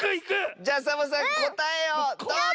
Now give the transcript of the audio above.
じゃあサボさんこたえをどうぞ！